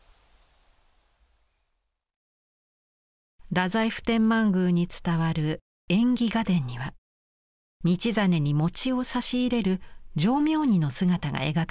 太宰府天満宮に伝わる「縁起画伝」には道真に餅を差し入れる浄妙尼の姿が描かれています。